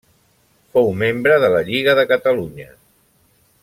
Fou membre de la Lliga de Catalunya.